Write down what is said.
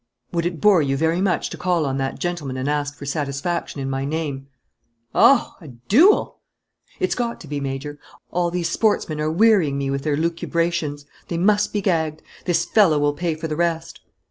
"Would it bore you very much to call on that gentleman and ask for satisfaction in my name?" "Oh! A duel!" "It's got to be, Major. All these sportsmen are wearying me with their lucubrations. They must be gagged. This fellow will pay for the rest."